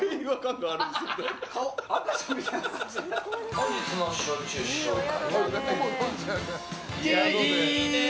本日の焼酎紹介。